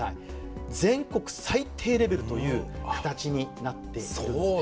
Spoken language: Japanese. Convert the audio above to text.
全国最低レベルという形になっているんです。